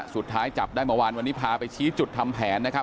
สุดท้ายจับได้เมื่อวานวันนี้พาไปชี้จุดทำแผนนะครับ